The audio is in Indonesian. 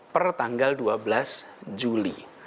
per tanggal dua belas juli